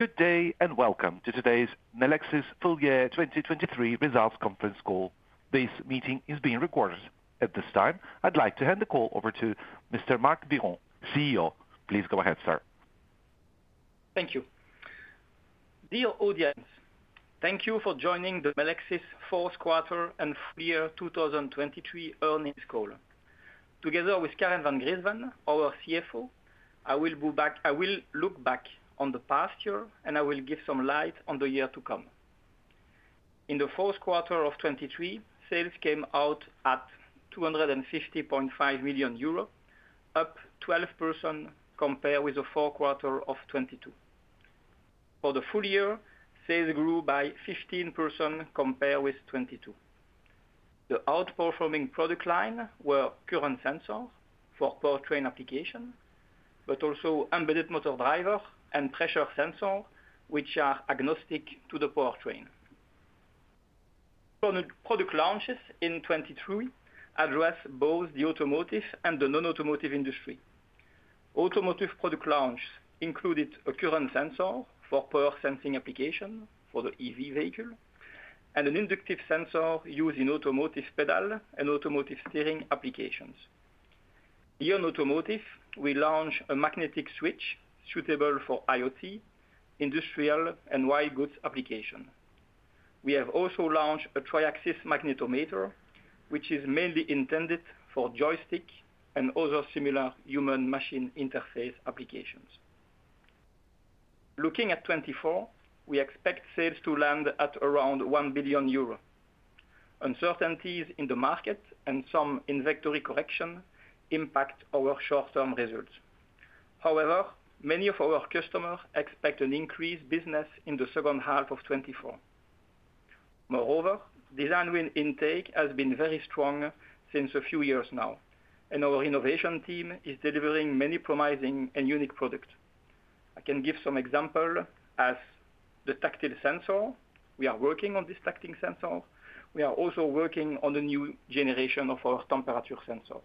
Good day, and welcome to today's Melexis full year 2023 results conference call. This meeting is being recorded. At this time, I'd like to hand the call over to Mr. Marc Biron, CEO. Please go ahead, sir. Thank you. Dear audience, thank you for joining the Melexis fourth quarter and full year 2023 earnings call. Together with Karen Van Griensven, our CFO, I will go back, I will look back on the past year, and I will give some light on the year to come. In the fourth quarter of 2023, sales came out at 250.5 million euro, up 12% compared with the fourth quarter of 2022. For the full year, sales grew by 15% compared with 2022. The outperforming product line were current sensor for powertrain application, but also embedded motor driver and pressure sensor, which are agnostic to the powertrain. Product, product launches in 2023 address both the automotive and the non-automotive industry. Automotive product launch included a current sensor for power sensing application for the EV vehicle, and an inductive sensor used in automotive pedal and automotive steering applications. Here in automotive, we launched a magnetic switch suitable for IoT, industrial, and white goods application. We have also launched a Triaxis magnetometer, which is mainly intended for joystick and other similar human machine interface applications. Looking at 2024, we expect sales to land at around 1 billion euros. Uncertainties in the market and some inventory correction impact our short-term results. However, many of our customers expect an increased business in the second half of 2024. Moreover, design win intake has been very strong since a few years now, and our innovation team is delivering many promising and unique products. I can give some example as the tactile sensor. We are working on this tactile sensor. We are also working on the new generation of our temperature sensor.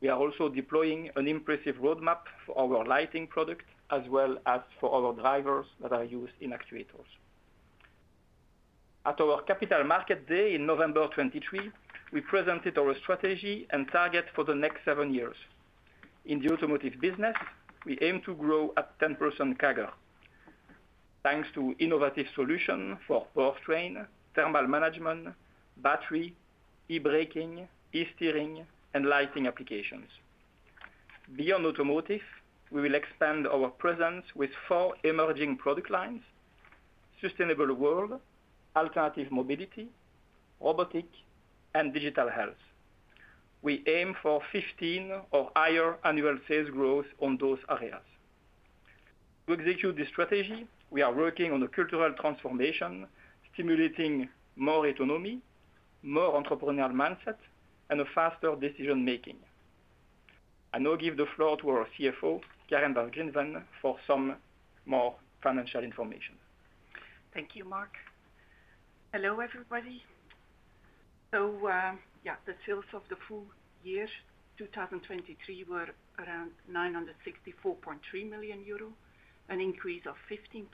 We are also deploying an impressive roadmap for our lighting product, as well as for our drivers that are used in actuators. At our Capital Market Day in November of 2023, we presented our strategy and target for the next seven years. In the automotive business, we aim to grow at 10% CAGR, thanks to innovative solution for powertrain, thermal management, battery, e-braking, e-steering, and lighting applications. Beyond automotive, we will expand our presence with four emerging product lines: sustainable world, alternative mobility, robotic, and digital health. We aim for 15 or higher annual sales growth on those areas. To execute this strategy, we are working on a cultural transformation, stimulating more autonomy, more entrepreneurial mindset, and a faster decision-making. I now give the floor to our CFO, Karen Van Griensven, for some more financial information. Thank you, Marc. Hello, everybody. So, the sales of the full year 2023 were around 964.3 million euro, an increase of 15%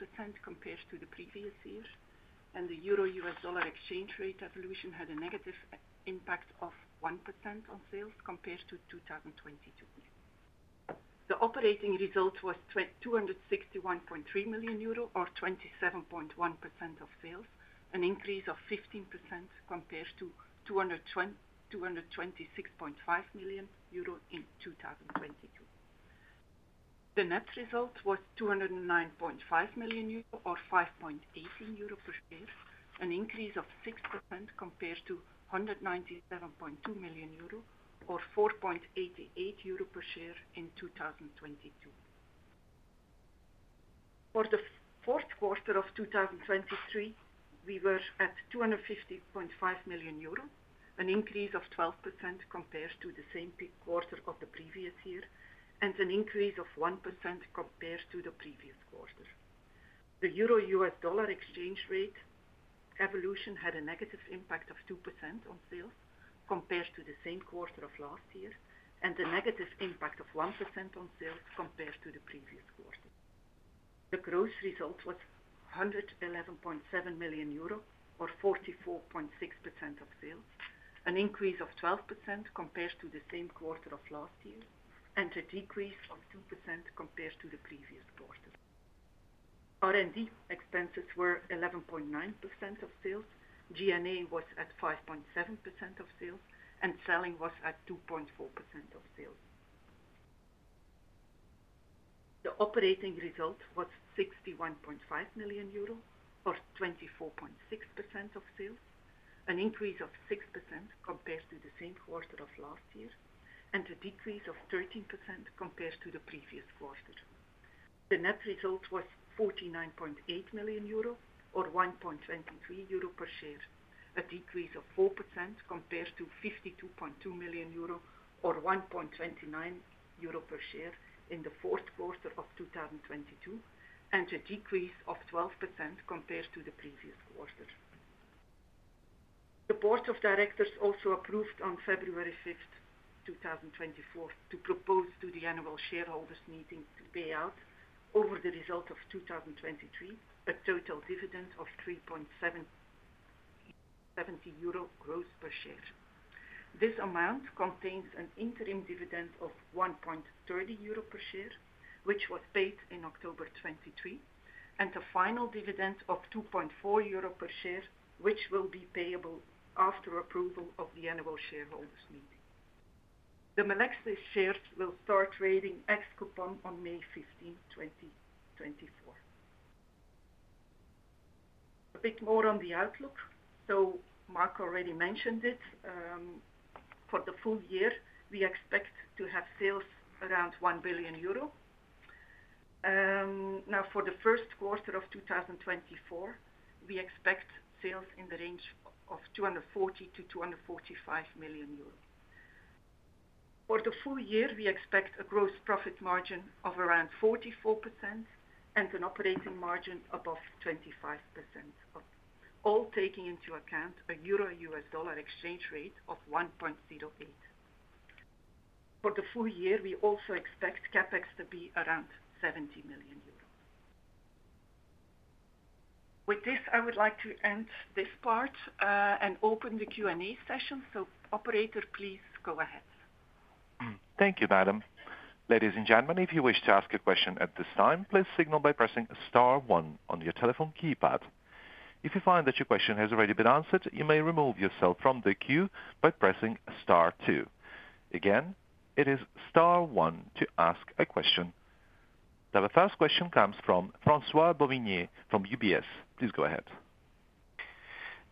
compared to the previous year, and the Euro-US dollar exchange rate evolution had a negative impact of 1% on sales compared to 2022. The operating result was 261.3 million euro or 27.1% of sales, an increase of 15% compared to 226.5 million euros in 2022. The net result was 209.5 million euro or 5.18 euro per share, an increase of 6% compared to 197.2 million euro or 4.88 euro per share in 2022. For the fourth quarter of 2023, we were at 250.5 million euros, an increase of 12% compared to the same quarter of the previous year, and an increase of 1% compared to the previous quarter. The Euro-US dollar exchange rate evolution had a negative impact of 2% on sales, compared to the same quarter of last year, and a negative impact of 1% on sales compared to the previous quarter. The gross result was 111.7 million euro or 44.6% of sales, an increase of 12% compared to the same quarter of last year, and a decrease of 2% compared to the previous quarter. R&D expenses were 11.9% of sales, G&A was at 5.7% of sales, and selling was at 2.4% of sales. The operating result was 61.5 million euro or 24.6% of sales, an increase of 6% compared to the same quarter of last year, and a decrease of 13% compared to the previous quarter. The net result was 49.8 million euro or 1.23 euro per share, a decrease of 4% compared to 52.2 million euro or 1.29 euro per share in the fourth quarter of 2022, and a decrease of 12% compared to the previous quarter. The board of directors also approved on February 5, 2024, to propose to the annual shareholders meeting to pay out over the result of 2023, a total dividend of 3.7 euro gross per share. This amount contains an interim dividend of 1.30 euro per share, which was paid in October 2023, and a final dividend of 2.4 euro per share, which will be payable after approval of the annual shareholders meeting. The Melexis shares will start trading ex-coupon on May 15, 2024. A bit more on the outlook. So Marc already mentioned it, for the full year, we expect to have sales around 1 billion euro. Now, for the first quarter of 2024, we expect sales in the range of 240 million-245 million euros. For the full year, we expect a gross profit margin of around 44% and an operating margin above 25%, all taking into account a EUR-USD exchange rate of 1.08. For the full year, we also expect CapEx to be around 70 million euros. With this, I would like to end this part, and open the Q&A session. So operator, please go ahead. Thank you, Madam. Ladies and gentlemen, if you wish to ask a question at this time, please signal by pressing star one on your telephone keypad. If you find that your question has already been answered, you may remove yourself from the queue by pressing star two. Again, it is star one to ask a question. Now, the first question comes from François-Xavier Bouvignies from UBS. Please go ahead.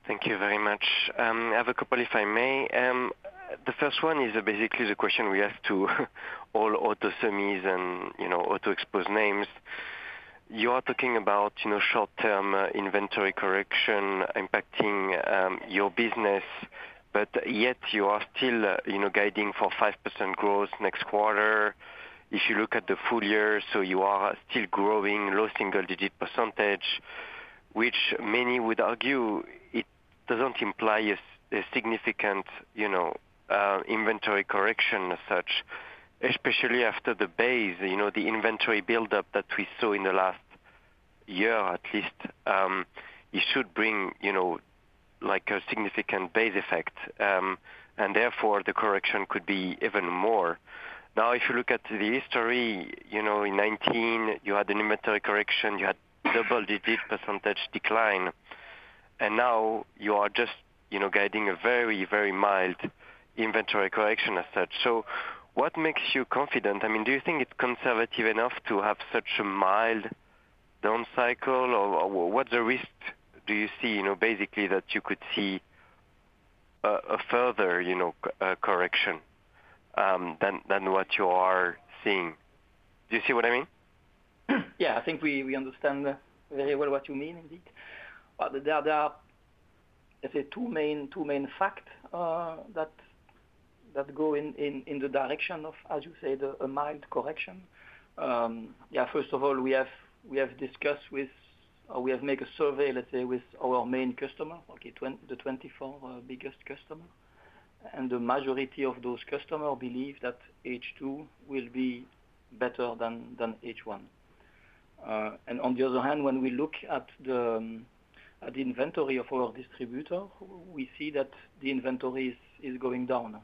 Thank you very much. I have a couple, if I may. The first one is basically the question we ask to all auto semis and, you know, auto exposed names. You are talking about, you know, short-term inventory correction impacting your business, but yet you are still, you know, guiding for 5% growth next quarter. If you look at the full year, so you are still growing low single-digit %, which many would argue it doesn't imply a significant, you know, inventory correction as such, especially after the base. You know, the inventory buildup that we saw in the last year at least, it should bring, you know, like a significant base effect, and therefore, the correction could be even more. Now, if you look at the history, you know, in 2019 you had an inventory correction, you had double-digit percentage decline, and now you are just, you know, guiding a very, very mild inventory correction as such. So what makes you confident? I mean, do you think it's conservative enough to have such a mild down cycle? Or, or what the risk do you see, you know, basically that you could see a, a further, you know, correction than what you are seeing? Do you see what I mean? Yeah, I think we understand very well what you mean indeed. But there are, let's say, two main factors that go in the direction of, as you say, a mild correction. Yeah, first of all, we have discussed with, or we have make a survey, let's say, with our main customer, okay, the 24 biggest customer, and the majority of those customer believe that H2 will be better than H1. And on the other hand, when we look at the inventory of our distributor, we see that the inventory is going down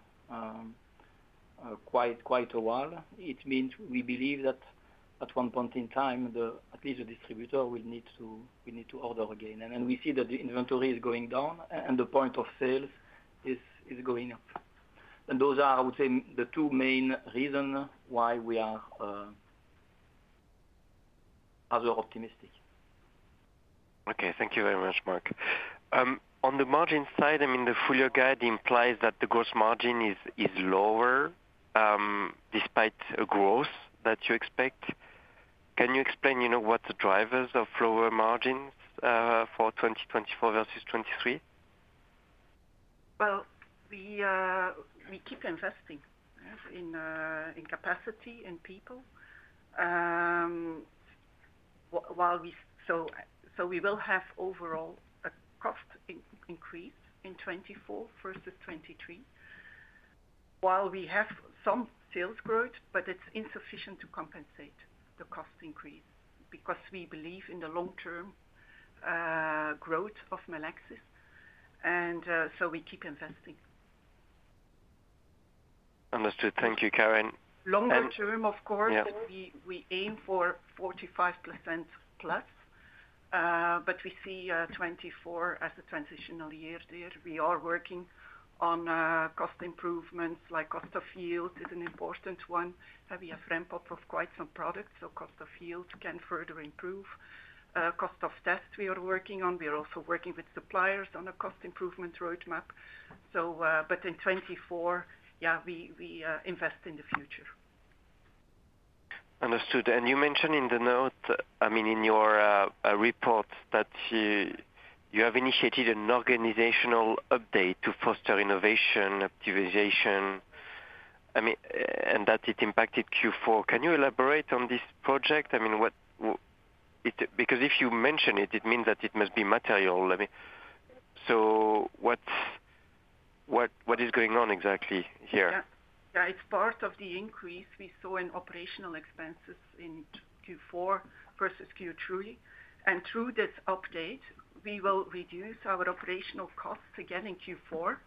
quite a while. It means we believe that at one point in time, at least the distributor will need to order again. We see that the inventory is going down and the Point of Sale is going up. Those are, I would say, the two main reasons why we are rather optimistic. Okay, thank you very much, Marc. On the margin side, I mean, the full year guide implies that the gross margin is lower despite a growth that you expect. Can you explain, you know, what the drivers of lower margins for 2024 versus 2023? Well, we keep investing in capacity, in people. So we will have overall a cost increase in 2024 versus 2023, while we have some sales growth, but it's insufficient to compensate the cost increase, because we believe in the long-term growth of Melexis, and so we keep investing. Understood. Thank you, Karen. Longer term, of course- Yeah. We aim for 45% plus, but we see 2024 as a transitional year there. We are working on cost improvements, like cost of yield is an important one. We have ramp up of quite some products, so cost of yield can further improve. Cost of test we are working on. We are also working with suppliers on a cost improvement roadmap. So, but in 2024, yeah, we invest in the future. Understood. And you mentioned in the note, I mean, in your report, that you have initiated an organizational update to foster innovation, optimization. I mean, and that it impacted Q4. Can you elaborate on this project? I mean, what, because if you mention it, it means that it must be material. I mean, so what is going on exactly here? Yeah. Yeah, it's part of the increase we saw in operational expenses in Q4 versus Q3. Through this update, we will reduce our operational costs again in Q4.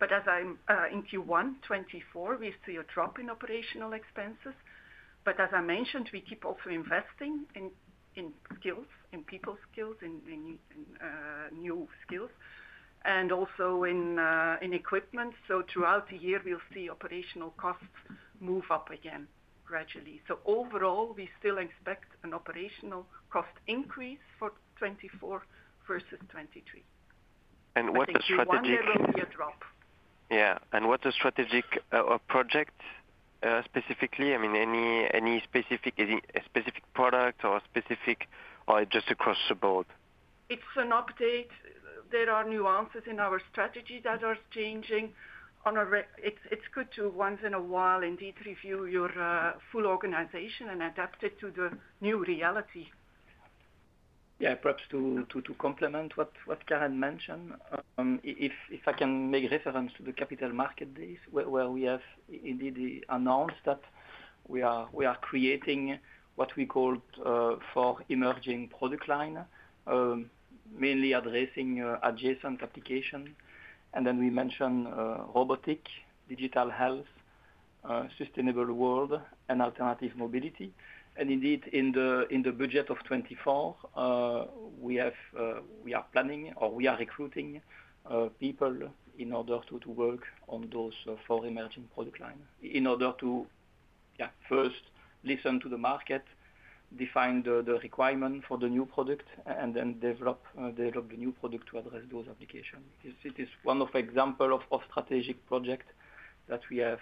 But as I'm in Q1 2024, we see a drop in operational expenses. But as I mentioned, we keep also investing in skills, in people skills, in new skills, and also in equipment. So throughout the year, we'll see operational costs move up again gradually. So overall, we still expect an operational cost increase for 2024 versus 2023. What the strategic- But in Q1, there will be a drop. Yeah, and what the strategic project specifically, I mean, any specific product or specific, or just across the board? It's an update. There are nuances in our strategy that are changing. It's good to once in a while, indeed, review your full organization and adapt it to the new reality. Yeah, perhaps to complement what Karen mentioned, if I can make reference to the capital market base, where we have indeed announced that we are creating what we called for emerging product line, mainly addressing adjacent application. And then we mentioned robotic, digital health, sustainable world, and alternative mobility. And indeed, in the budget of 2024, we are planning or we are recruiting people in order to work on those four emerging product line. In order to first listen to the market, define the requirement for the new product, and then develop the new product to address those applications. It is one of example of strategic project that we have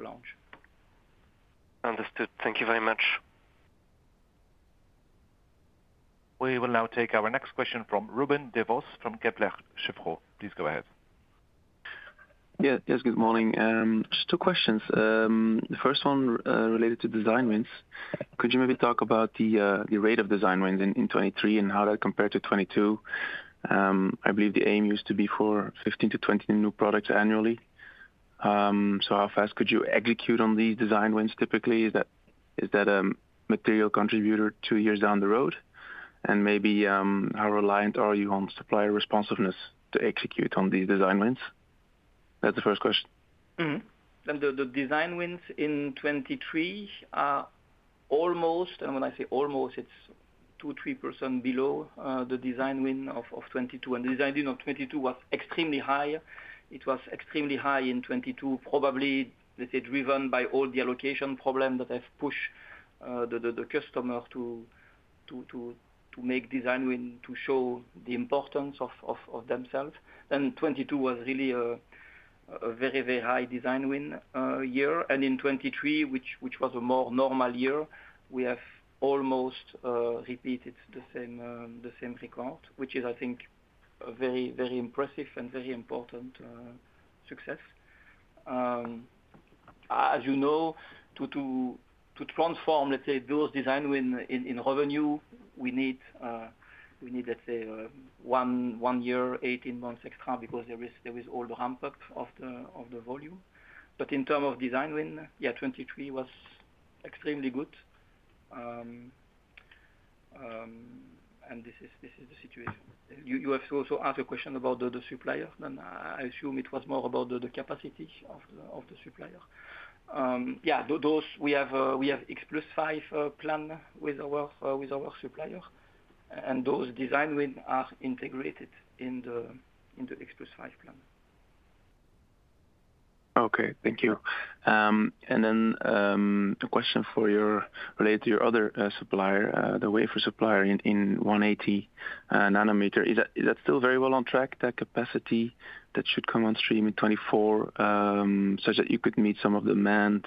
launched. Understood. Thank you very much. We will now take our next question from Ruben Devos, from Kepler Cheuvreux. Please go ahead. Yeah. Yes, good morning. Just two questions. The first one, related to design wins. Could you maybe talk about the rate of design wins in 2023 and how that compared to 2022? I believe the aim used to be for 15-20 new products annually. So how fast could you execute on these design wins typically? Is that a material contributor two years down the road? And maybe, how reliant are you on supplier responsiveness to execute on these design wins? That's the first question. Mm-hmm. And the Design Wins in 2023 are almost, and when I say almost, it's 2%-3% below the Design Win of 2022. And the Design Win of 2022 was extremely high. It was extremely high in 2022, probably, let's say, driven by all the allocation problem that have pushed the customer to make Design Win, to show the importance of themselves. Then 2022 was really a very, very high Design Win year. And in 2023, which was a more normal year, we have almost repeated the same record, which is, I think, a very, very impressive and very important success. As you know, to transform, let's say, those Design Win in revenue, we need, let's say, one year, 18 months extra because there is all the ramp-up of the volume. But in term of Design Win, yeah, 2023 was extremely good. And this is the situation. You have to also ask a question about the supplier, then I assume it was more about the capacity of the supplier. Yeah, those we have X plus five plan with our supplier, and those Design Win are integrated in the X plus five plan. Okay, thank you. And then, a question for you related to your other supplier, the wafer supplier in 180 nanometer. Is that still very well on track, that capacity that should come on stream in 2024, such that you could meet some of the demand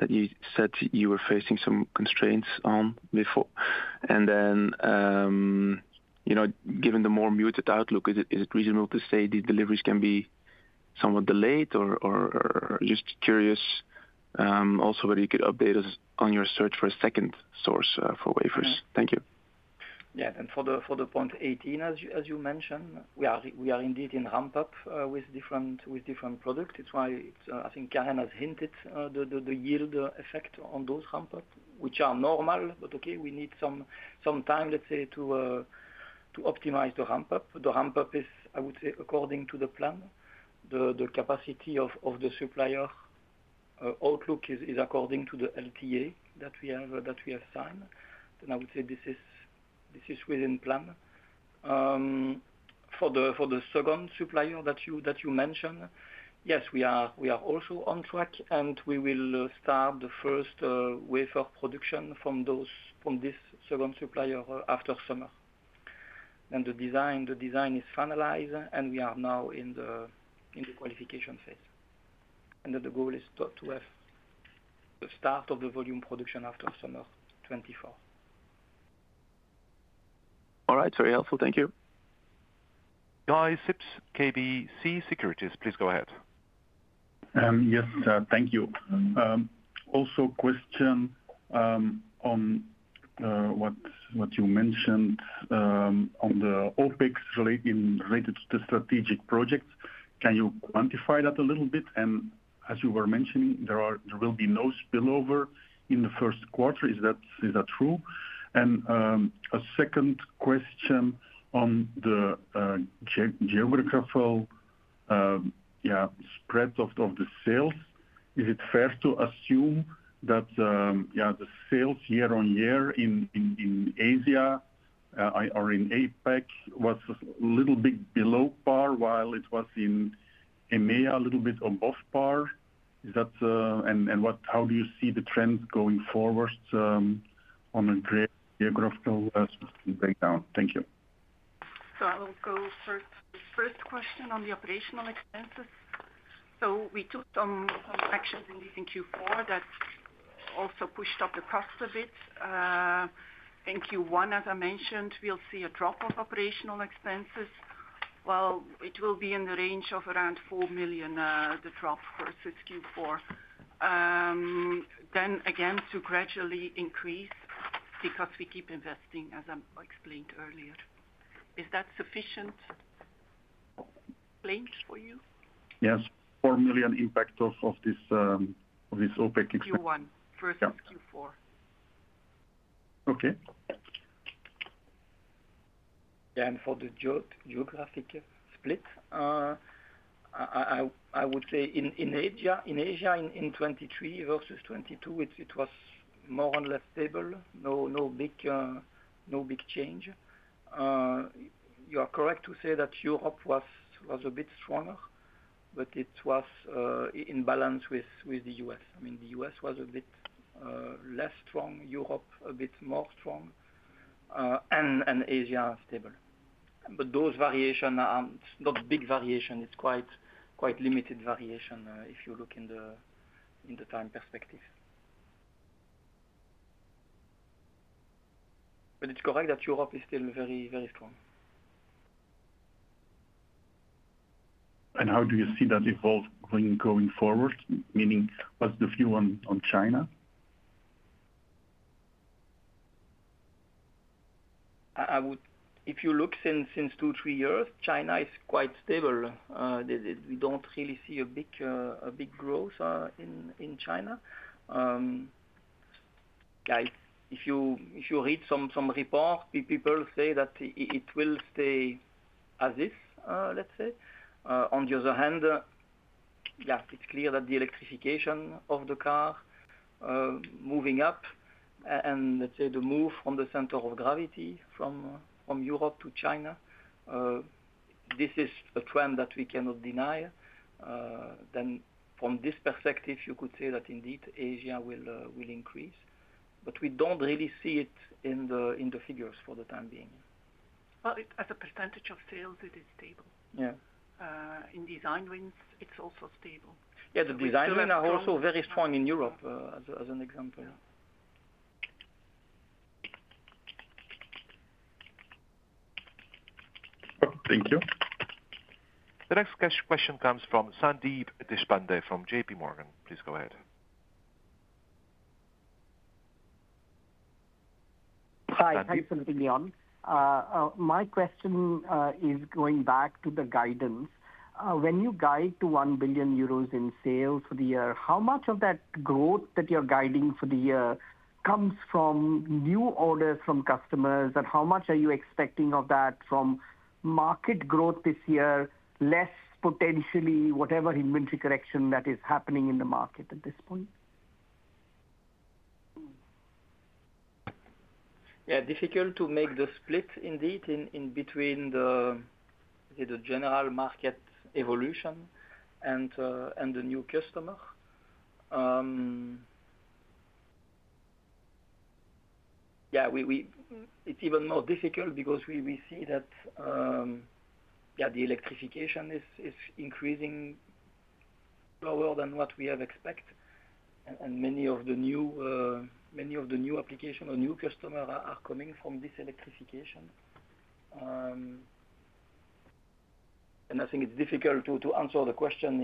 that you said you were facing some constraints on before? And then, you know, given the more muted outlook, is it reasonable to say the deliveries can be somewhat delayed? Or just curious, also, whether you could update us on your search for a second source for wafers. Thank you. Yeah, and for the point 18, as you mentioned, we are indeed in ramp-up with different products. It's why I think Karen has hinted the yield effect on those ramp-up, which are normal, but okay, we need some time, let's say, to optimize the ramp-up. The ramp-up is, I would say, according to the plan, the capacity of the supplier outlook is according to the LTA that we have signed. And I would say this is within plan. For the second supplier that you mentioned, yes, we are also on track, and we will start the first wafer production from this second supplier after summer. The design is finalized, and we are now in the qualification phase. The goal is to have the start of the volume production after summer 2024.... All right, very helpful. Thank you. Guy Sips, KBC Securities, please go ahead. Yes, thank you. Also question on what you mentioned on the OpEx related to the strategic projects. Can you quantify that a little bit? And as you were mentioning, there will be no spillover in the first quarter. Is that true? And a second question on the geographical spread of the sales. Is it fair to assume that the sales year-over-year in Asia or in APAC was a little bit below par, while it was in EMEA a little bit above par? Is that, and how do you see the trends going forward on a granular geographical breakdown? Thank you. So I will go first. First question on the operational expenses. So we took some actions in Q4 that also pushed up the cost a bit. In Q1, as I mentioned, we'll see a drop of operational expenses. Well, it will be in the range of around 4 million, the drop versus Q4. Then again, to gradually increase because we keep investing, as I explained earlier. Is that sufficient explanation for you? Yes. 4 million impact of this OpEx. Q1- Yeah. Versus Q4. Okay. Yeah, and for the geographic split, I would say in Asia in 2023 versus 2022, it was more or less stable. No big change. You are correct to say that Europe was a bit stronger, but it was in balance with the US. I mean, the US was a bit less strong, Europe a bit more strong, and Asia stable. But those variation, not big variation, it's quite limited variation, if you look in the time perspective. But it's correct that Europe is still very strong. How do you see that evolve going, going forward? Meaning, what's the view on, on China? I would. If you look since 2, 3 years, China is quite stable. We don't really see a big growth in China. Guy, if you read some reports, people say that it will stay as is, let's say. On the other hand, it's clear that the electrification of the car moving up, and the move from the center of gravity from Europe to China, this is a trend that we cannot deny. Then from this perspective, you could say that indeed Asia will increase, but we don't really see it in the figures for the time being. Well, it, as a percentage of sales, it is stable. Yeah. In design wins, it's also stable. Yeah, the design wins are also very strong in Europe, as an example. Thank you. The next question comes from Sandeep Deshpande from JP Morgan. Please go ahead. Hi. Sandeep. Thanks for taking me on. My question is going back to the guidance. When you guide to 1 billion euros in sales for the year, how much of that growth that you're guiding for the year comes from new orders from customers? And how much are you expecting of that from market growth this year, less potentially, whatever inventory correction that is happening in the market at this point? Yeah, difficult to make the split indeed, in between the general market evolution and the new customer. It's even more difficult because we see that the electrification is increasing lower than what we have expect. And many of the new application or new customer are coming from this electrification. And I think it's difficult to answer the question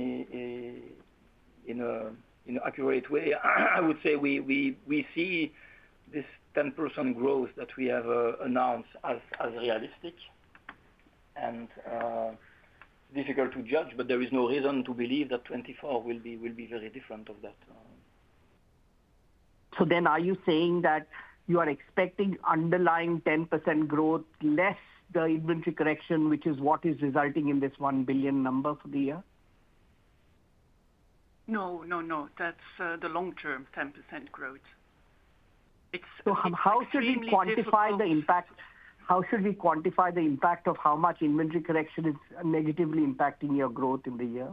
in an accurate way. I would say we see this 10% growth that we have announced as realistic and difficult to judge, but there is no reason to believe that 2024 will be very different of that. Are you saying that you are expecting underlying 10% growth less the inventory correction, which is what is resulting in this 1 billion number for the year? No, no, no. That's the long-term 10% growth. It's- So how should we quantify the impact? Extremely difficult. How should we quantify the impact of how much inventory correction is negatively impacting your growth in the year?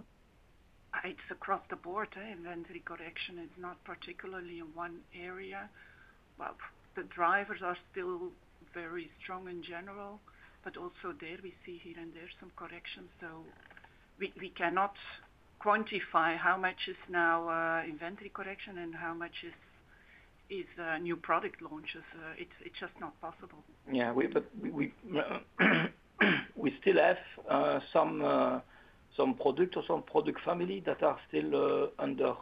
It's across the board, inventory correction is not particularly in one area. Well, the drivers are still very strong in general, but also there, we see here and there some corrections. So we cannot quantify how much is now inventory correction and how much is new product launches. It's just not possible. Yeah, but we still have some product or some product family that are still under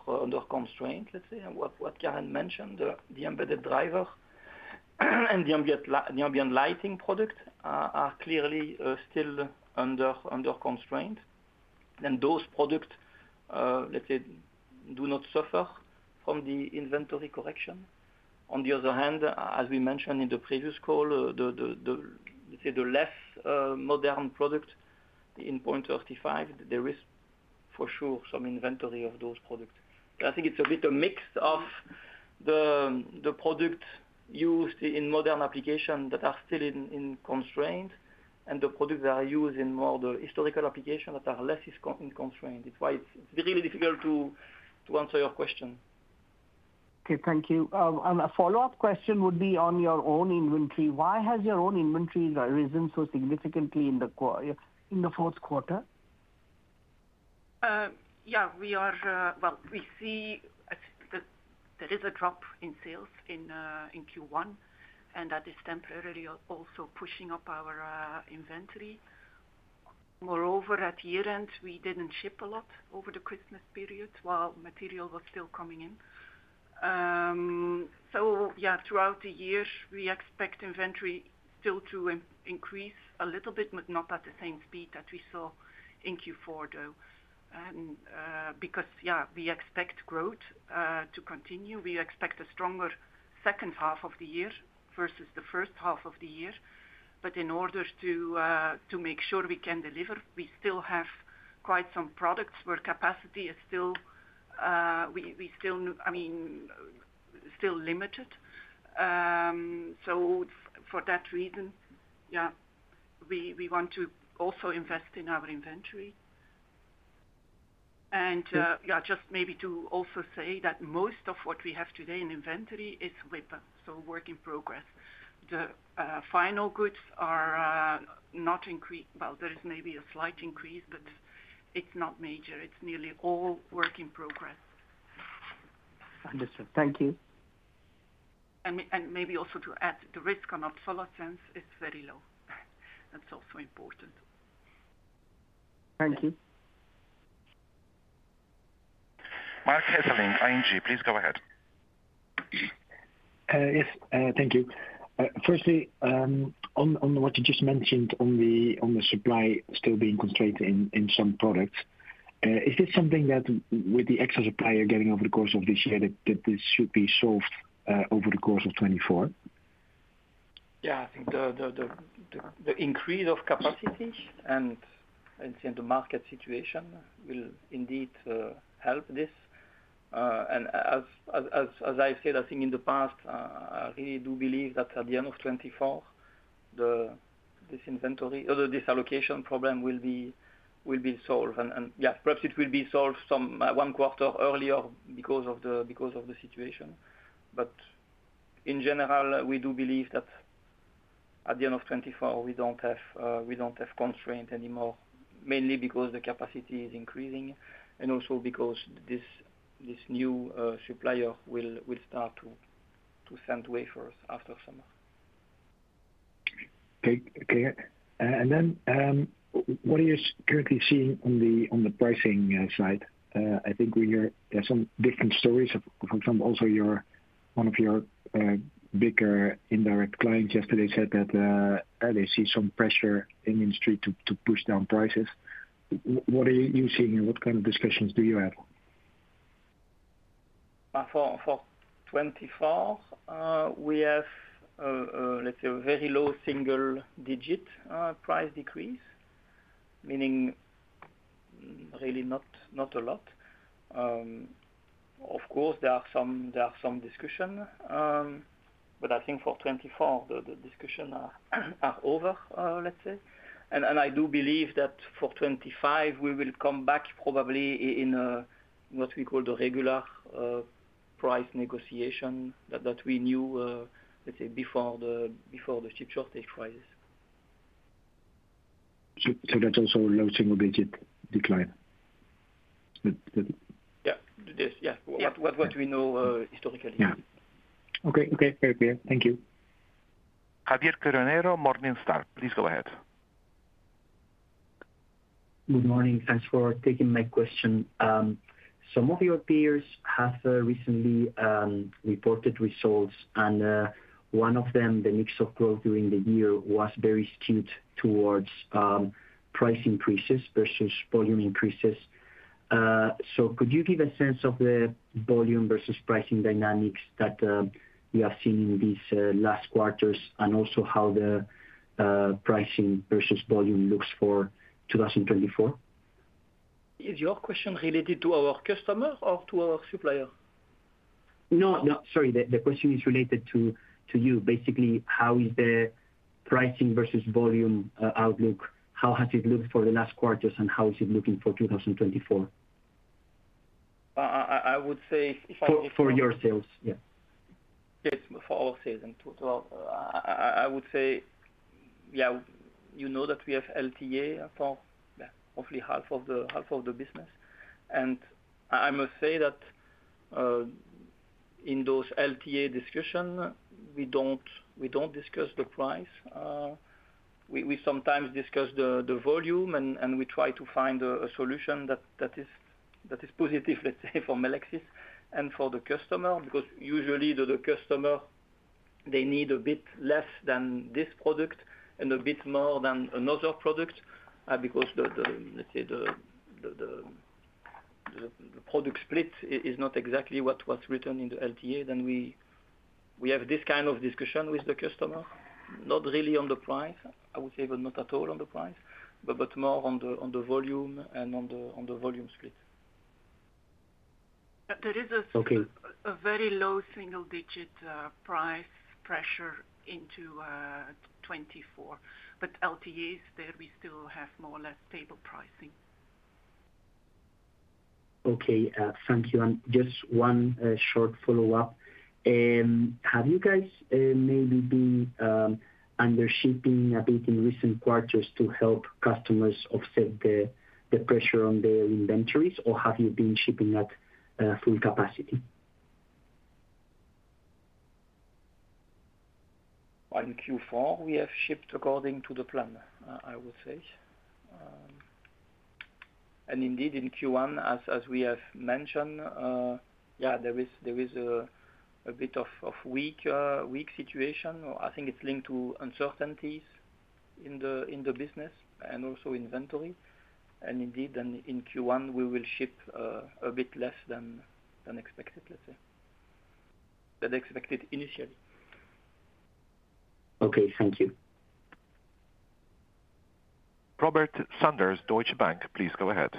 constraint, let's say. And what Karen mentioned, the embedded driver, and the ambient lighting product are clearly still under constraint. Then those product, let's say, do not suffer from the inventory correction. On the other hand, as we mentioned in the previous call, the less modern product in 0.35, there is for sure some inventory of those products. I think it's a bit a mix of the product used in modern application that are still in constraint, and the products that are used in more the historical application that are less in constraint. It's why it's really difficult to answer your question. Okay, thank you. A follow-up question would be on your own inventory. Why has your own inventory risen so significantly in the fourth quarter? Yeah, we are... Well, we see, I think, that there is a drop in sales in Q1, and that is temporarily also pushing up our inventory. Moreover, at year-end, we didn't ship a lot over the Christmas period, while material was still coming in. So yeah, throughout the year, we expect inventory still to increase a little bit, but not at the same speed that we saw in Q4, though. And because, yeah, we expect growth to continue. We expect a stronger second half of the year versus the first half of the year. But in order to make sure we can deliver, we still have quite some products where capacity is still, I mean, still limited. So for that reason, yeah, we want to also invest in our inventory. Just maybe to also say that most of what we have today in inventory is WIP, so work in progress. The final goods are not increased, well, there is maybe a slight increase, but it's not major. It's nearly all work in progress. Understood. Thank you. Maybe also to add, the risk on obsolescence is very low. That's also important. Thank you. Mark Hesselink, ING, please go ahead. Yes, thank you. Firstly, on what you just mentioned on the supply still being constrained in some products, is this something that with the extra supplier getting over the course of this year, that this should be solved over the course of 2024? Yeah, I think the increase of capacity and the market situation will indeed help this. And as I said, I think in the past, I really do believe that at the end of 2024, this inventory, or this allocation problem will be solved. And yeah, perhaps it will be solved some one quarter earlier because of the situation. But in general, we do believe that at the end of 2024, we don't have constraint anymore, mainly because the capacity is increasing, and also because this new supplier will start to send wafers after summer. Okay. Okay. And then, what are you currently seeing on the pricing side? I think we hear there are some different stories from some... Also, your one of your bigger indirect clients yesterday said that they see some pressure in the industry to push down prices. What are you seeing, and what kind of discussions do you have? For 2024, we have, let's say, a very low single-digit price decrease, meaning really not, not a lot. Of course, there are some discussion, but I think for 2024, the discussion are over, let's say. I do believe that for 2025, we will come back probably in what we call the regular price negotiation that we knew, let's say, before the chip shortage crisis. That's also a low single-digit decline? Yeah. It is, yeah. Yeah. What we know historically. Yeah. Okay, okay. Very clear. Thank you. Javier Correonero, Morningstar, please go ahead. Good morning. Thanks for taking my question. Some of your peers have recently reported results, and one of them, the mix of growth during the year was very skewed towards price increases versus volume increases. So could you give a sense of the volume versus pricing dynamics that we have seen in these last quarters, and also how the pricing versus volume looks for 2024? Is your question related to our customer or to our supplier? No, no, sorry. The question is related to you. Basically, how is the pricing versus volume outlook, how has it looked for the last quarters, and how is it looking for 2024? I would say if I- For your sales, yeah. Yes, for our sales in total. I would say, yeah, you know that we have LTA for, yeah, hopefully half of the, half of the business. And I must say that, in those LTA discussion, we don't, we don't discuss the price. We, we sometimes discuss the volume and, and we try to find a solution that is positive, let's say, for Melexis and for the customer. Because usually the customer, they need a bit less than this product and a bit more than another product, because the, let's say, the product split is not exactly what was written in the LTA. Then we have this kind of discussion with the customer, not really on the price, I would say, but not at all on the price, but more on the volume and on the volume split. But there is a- Okay. A very low single digit, price pressure into 2024. But LTAs there we still have more or less stable pricing. Okay, thank you. Just one short follow-up. Have you guys maybe been under shipping a bit in recent quarters to help customers offset the pressure on their inventories, or have you been shipping at full capacity? Well, in Q4 we have shipped according to the plan, I would say. And indeed, in Q1, as we have mentioned, there is a bit of weak situation. I think it's linked to uncertainties in the business and also inventory. And indeed, then in Q1, we will ship a bit less than expected, let's say, than expected initially. Okay, thank you. Robert Sanders, Deutsche Bank, please go ahead.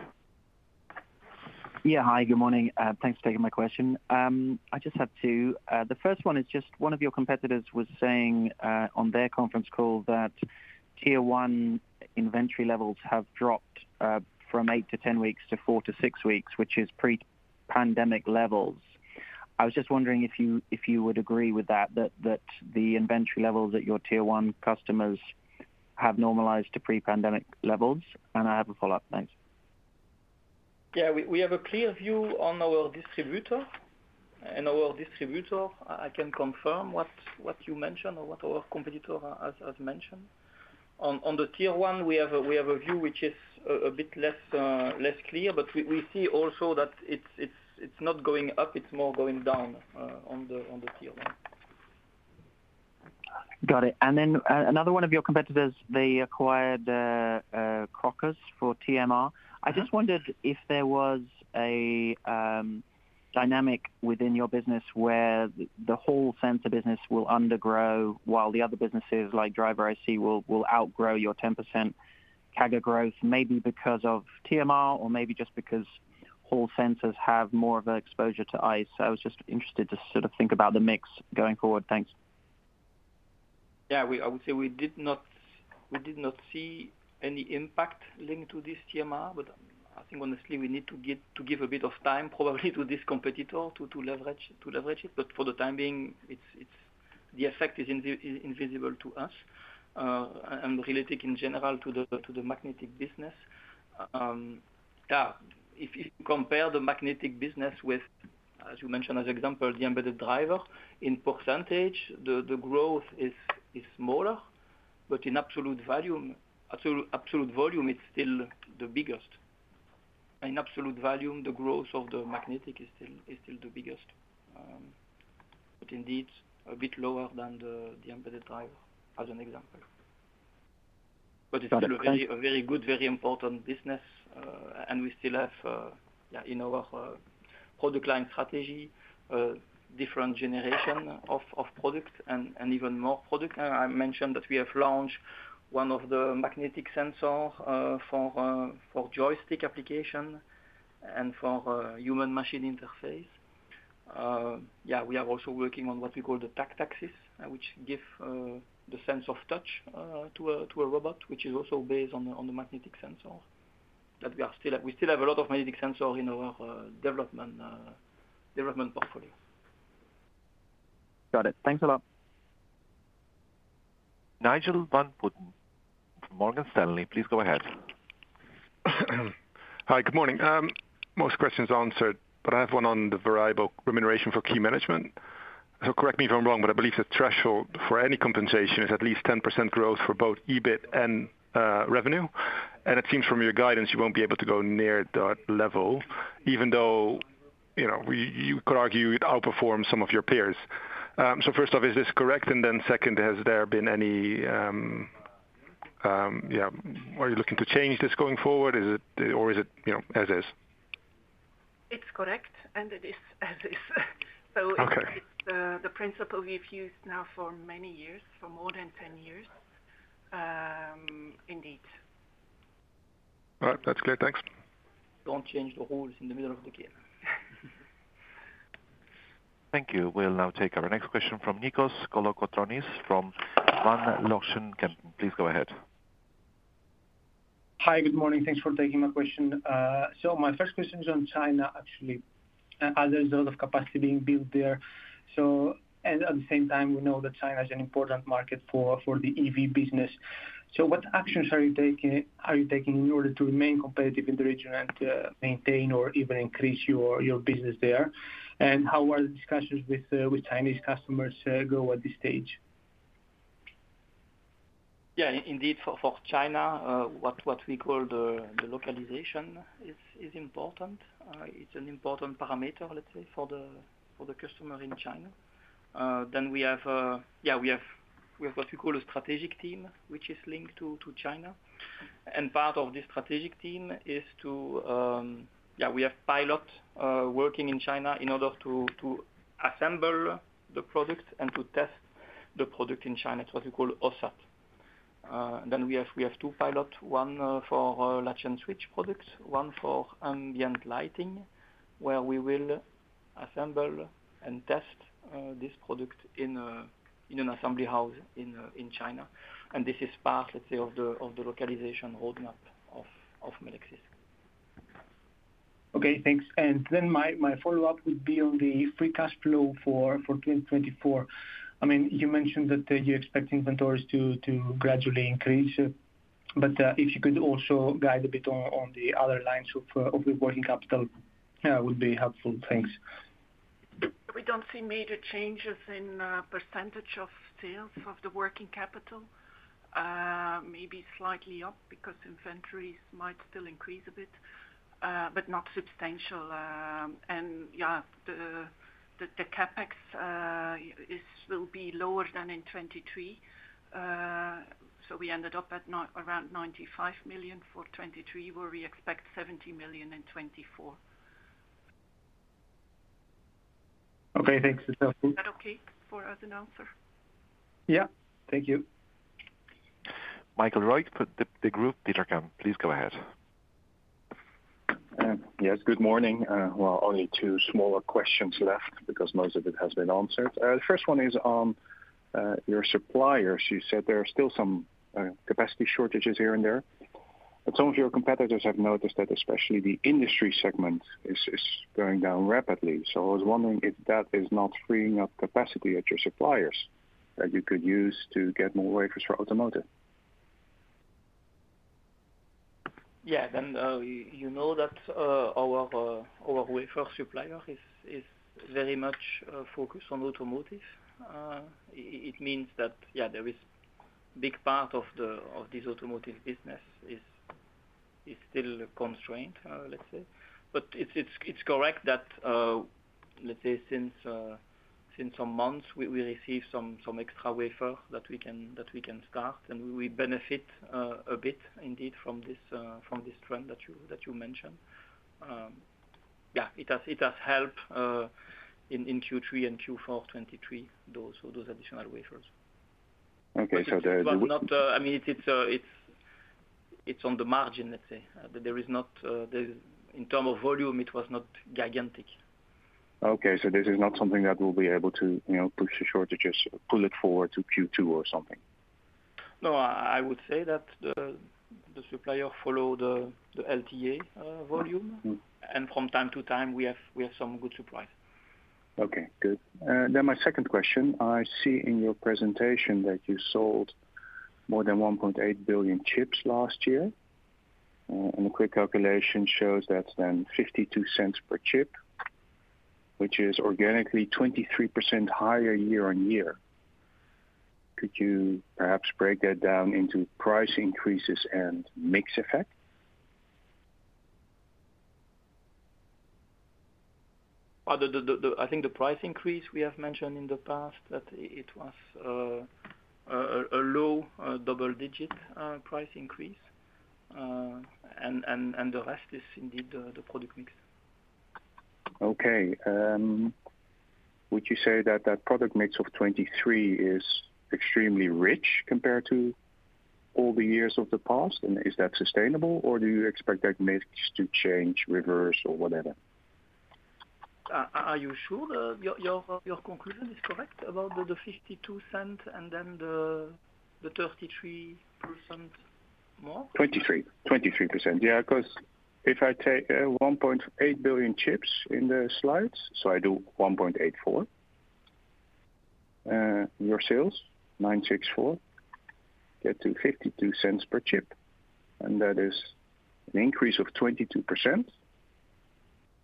Yeah. Hi, good morning. Thanks for taking my question. I just have two. The first one is just one of your competitors was saying on their conference call that Tier One inventory levels have dropped from 8-10 weeks to 4-6 weeks, which is pre-pandemic levels. I was just wondering if you, if you would agree with that, that, that the inventory levels at your Tier One customers have normalized to pre-pandemic levels? And I have a follow-up. Thanks. Yeah, we have a clear view on our distributor. And our distributor, I can confirm what you mentioned or what our competitor has mentioned. On the Tier One, we have a view which is a bit less clear, but we see also that it's not going up, it's more going down, on the Tier One. Got it. And then another one of your competitors, they acquired Crocus for TMR. I just wondered if there was a dynamic within your business where the whole sensor business will undergrow while the other businesses, like driver IC, will outgrow your 10% CAGR growth, maybe because of TMR, or maybe just because all sensors have more of an exposure to ICE. I was just interested to sort of think about the mix going forward. Thanks. Yeah, I would say we did not, we did not see any impact linked to this TMR, but I think honestly, we need to give, to give a bit of time probably to this competitor to, to leverage, to leverage it. But for the time being, it's, it's—the effect is invisible to us, and related in general to the, to the magnetic business. Yeah, if you compare the magnetic business with, as you mentioned, as example, the embedded driver, in percentage, the, the growth is, is smaller, but in absolute volume, absolute, absolute volume, it's still the biggest. In absolute volume, the growth of the magnetic is still, is still the biggest, but indeed a bit lower than the, the embedded driver, as an example. Got it. Thanks. But it's still a very good, very important business, and we still have, yeah, in our product line strategy, a different generation of products and even more product. I mentioned that we have launched one of the magnetic sensor for joystick application and for human machine interface. Yeah, we are also working on what we call the tri-axis, which gives the sense of touch to a robot, which is also based on the magnetic sensor. We still have a lot of magnetic sensor in our development portfolio. Got it. Thanks a lot. Nigel van Putten from Morgan Stanley, please go ahead. Hi, good morning. Most questions are answered, but I have one on the variable remuneration for key management. So correct me if I'm wrong, but I believe the threshold for any compensation is at least 10% growth for both EBIT and revenue. And it seems from your guidance, you won't be able to go near that level, even though, you know, you could argue it outperforms some of your peers. So first off, is this correct? And then second, has there been any, are you looking to change this going forward, is it or is it, you know, as is? It's correct, and it is as is. Okay. It's the principle we've used now for many years, for more than 10 years, indeed. All right. That's clear. Thanks. Don't change the rules in the middle of the game. Thank you. We'll now take our next question from Nikos Kolokotronis, from Van Lanschot Kempen. Please go ahead. ... Hi, good morning. Thanks for taking my question. So my first question is on China, actually. There is a lot of capacity being built there, so and at the same time, we know that China is an important market for the EV business. So what actions are you taking in order to remain competitive in the region and maintain or even increase your business there? And how well the discussions with Chinese customers go at this stage? Yeah, indeed, for China, what we call the localization is important. It's an important parameter, let's say, for the customer in China. Then we have what we call a strategic team, which is linked to China. And part of this strategic team is to have pilot working in China in order to assemble the product and to test the product in China, it's what we call OSAT. Then we have two pilot, one for latch and switch products, one for ambient lighting, where we will assemble and test this product in an assembly house in China. And this is part, let's say, of the localization roadmap of Melexis. Okay, thanks. And then my follow-up would be on the free cash flow for 2024. I mean, you mentioned that you expect inventories to gradually increase, but if you could also guide a bit on the other lines of the working capital, would be helpful. Thanks. We don't see major changes in percentage of sales of the working capital. Maybe slightly up because inventories might still increase a bit, but not substantial. Yeah, the CapEx will be lower than in 2023. So we ended up at around 95 million for 2023, where we expect 70 million in 2024. Okay, thanks, Christine. Is that okay for as an answer? Yeah. Thank you. Michael Roeg, Petercam, please go ahead. Yes, good morning. Well, only two smaller questions left because most of it has been answered. The first one is on your suppliers. You said there are still some capacity shortages here and there, but some of your competitors have noticed that especially the industry segment is going down rapidly. So I was wondering if that is not freeing up capacity at your suppliers, that you could use to get more wafers for automotive. Yeah, then, you know that our wafer supplier is very much focused on automotive. It means that, yeah, there is big part of this automotive business is still constrained, let's say. But it's correct that, let's say since some months, we received some extra wafer that we can start, and we benefit a bit indeed from this trend that you mentioned. Yeah, it has helped in Q3 and Q4 2023, those additional wafers. Okay, so there. But, I mean, it's on the margin, let's say. There is not—in terms of volume, it was not gigantic. Okay, so this is not something that will be able to, you know, push the shortages, pull it forward to Q2 or something? No, I would say that the supplier follow the LTA volume. Mm. From time to time, we have, we have some good surprise. Okay, good. Then my second question, I see in your presentation that you sold more than 1.8 billion chips last year. And a quick calculation shows that's then 0.52 per chip, which is organically 23% higher year-on-year. Could you perhaps break that down into price increases and mix effect? I think the price increase we have mentioned in the past, that it was a low double-digit price increase. And the rest is indeed the product mix. Okay. Would you say that that product mix of 2023 is extremely rich compared to all the years of the past? And is that sustainable, or do you expect that mix to change, reverse, or whatever? Are you sure your conclusion is correct about the 0.52 and then the 33% more? 23%, 23%. Yeah, 'cause if I take, one point eight billion chips in the slides, so I do 1.84, your sales, 964 million, get to 0.52 per chip, and that is an increase of 22%.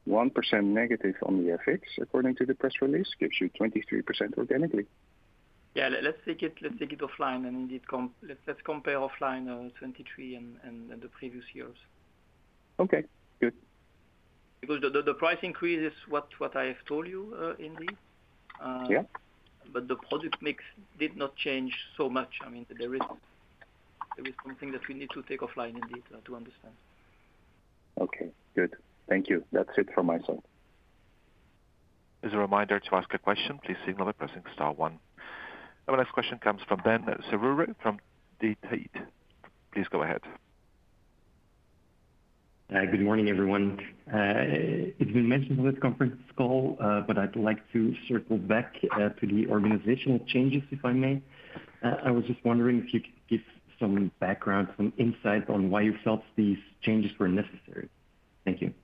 One percent negative on the FX, according to the press release, gives you 23% organically. Yeah, let's take it, let's take it offline and indeed compare offline, 2023 and the previous years. Okay, good. Because the price increase is what I have told you, indeed. Yeah. The product mix did not change so much. I mean, there is, there is something that we need to take offline indeed, to understand. Okay, good. Thank you. That's it from my side. As a reminder to ask a question, please signal by pressing star one. Our next question comes from Ben Seruri from D. Tate. Please go ahead. ... Hi, good morning, everyone. It's been mentioned on this conference call, but I'd like to circle back to the organizational changes, if I may. I was just wondering if you could give some background, some insight on why you felt these changes were necessary. Thank you.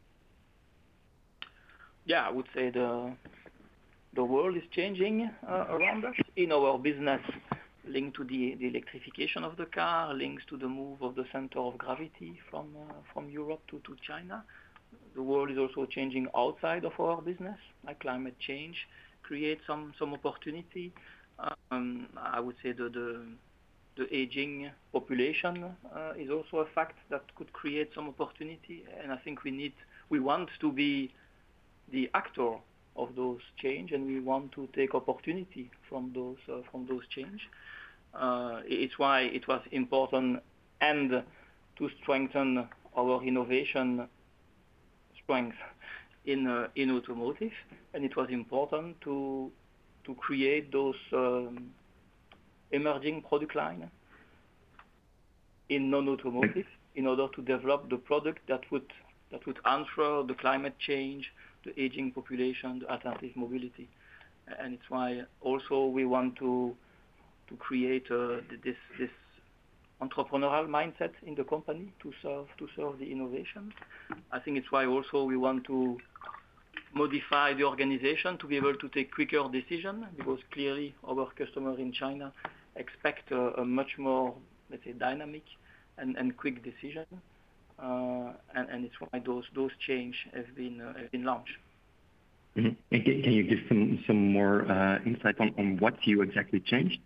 Yeah, I would say the world is changing around us in our business, linked to the electrification of the car, links to the move of the center of gravity from Europe to China. The world is also changing outside of our business, like climate change creates some opportunity. I would say that the aging population is also a fact that could create some opportunity, and I think we need—we want to be the actor of those change, and we want to take opportunity from those change. It's why it was important and to strengthen our innovation strength in automotive. And it was important to create those emerging product line in non-automotive, in order to develop the product that would answer the climate change, the aging population, the alternative mobility. And it's why also we want to create this entrepreneurial mindset in the company to serve the innovation. I think it's why also we want to modify the organization to be able to take quicker decision, because clearly our customers in China expect a much more, let's say, dynamic and quick decision. And it's why those changes have been launched. Mm-hmm. And can you give some more insight on what you exactly changed?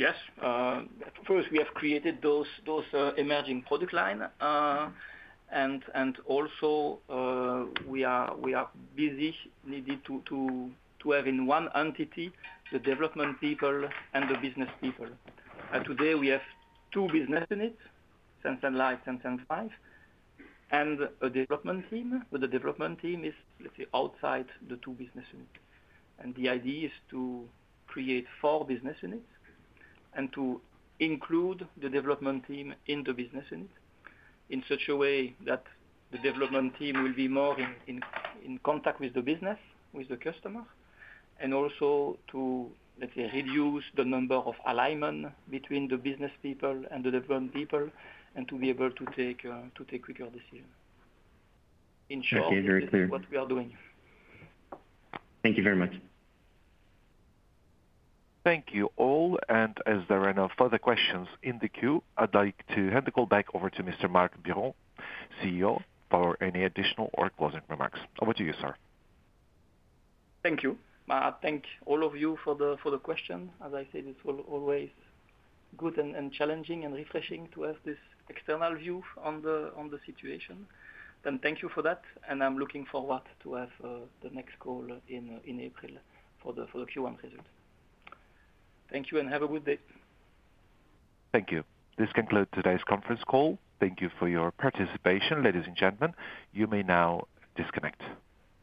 Yes. First, we have created those emerging product line. And also, we are busy needed to have in one entity, the development people and the business people. Today, we have two business units, Sensen Live, Sensen Five, and a development team. But the development team is, let's say, outside the two business units. The idea is to create four business units and to include the development team in the business units, in such a way that the development team will be more in contact with the business, with the customer, and also to, let's say, reduce the number of alignment between the business people and the development people, and to be able to take quicker decision. In short- Okay, very clear. That is what we are doing. Thank you very much. Thank you all. As there are no further questions in the queue, I'd like to hand the call back over to Mr. Marc Biron, CEO, for any additional or closing remarks. Over to you, sir. Thank you. I thank all of you for the question. As I said, it's always good and challenging and refreshing to have this external view on the situation. And thank you for that, and I'm looking forward to have the next call in April for the Q1 result. Thank you, and have a good day. Thank you. This concludes today's conference call. Thank you for your participation, ladies and gentlemen. You may now disconnect.